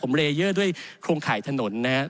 ผมเลเยอร์ด้วยโครงข่ายถนนนะครับ